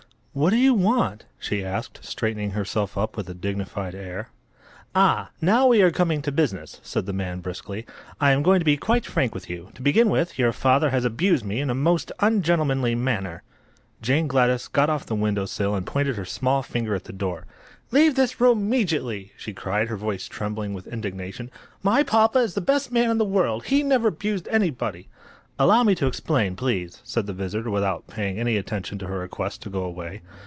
"What do you want?" she asked, straightening herself up with a dignified air. "Ah!—now we are coming to business," said the man, briskly. "I'm going to be quite frank with you. To begin with, your father has abused me in a most ungentlemanly manner." Jane Gladys got off the window sill and pointed her small finger at the door. "Leave this room 'meejitly!" she cried, her voice trembling with indignation. "My papa is the best man in the world. He never 'bused anybody!" "Allow me to explain, please," said the visitor, without paying any attention to her request to go away.